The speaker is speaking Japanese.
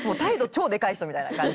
超でかい人みたいな感じ。